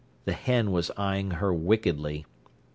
The hen was eyeing her wickedly.